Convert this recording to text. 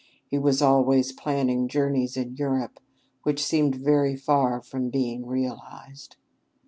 He was always planning journeys in Europe, which seemed very far from being realized.